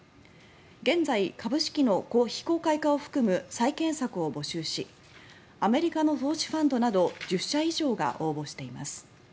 現在、株式の非公開化を含む再建策を募集しアメリカの投資ファンドなど１０社以上が応募しています。